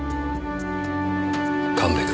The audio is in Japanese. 神戸君。